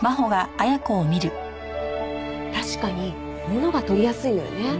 確かにものが取りやすいのよね。